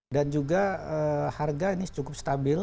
dan juga harga ini cukup stabil